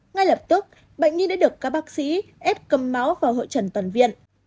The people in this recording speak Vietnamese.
ngay lập tức bệnh nhi đã được các bác sĩ ép cầm máu vào hội trần toàn viện